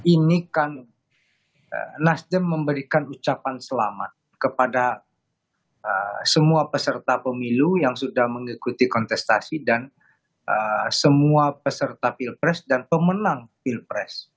ini kan nasdem memberikan ucapan selamat kepada semua peserta pemilu yang sudah mengikuti kontestasi dan semua peserta pilpres dan pemenang pilpres